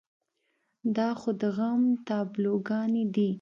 دا خو د غم تابلوګانې دي.